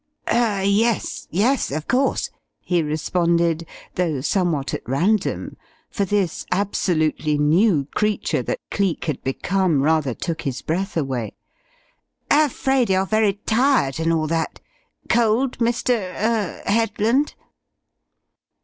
"Er yes, yes, of course," he responded, though somewhat at random, for this absolutely new creature that Cleek had become rather took his breath away. "Afraid you're very tired and all that. Cold, Mr. er Headland?"